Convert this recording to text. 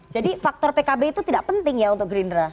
jadi faktor pkb itu tidak penting ya untuk gerindra